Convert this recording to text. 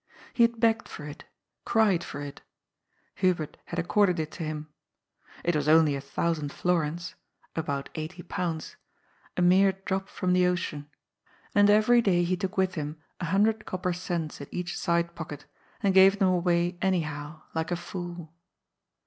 He had begged for it, cried for it ; Hubert had accorded it to him. It was only a thousand fiorins (about eighty pounds), a mere drop from the ocean. And every day he took with him a hundred copper cents in each side pocket, and gave them away anyhow, like a fool.